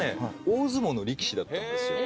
大相撲の力士だったんですよ